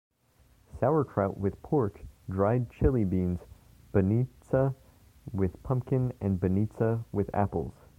Sauerkraut with pork, dried chili beans, banitsa with pumpkin and banitsa with apples.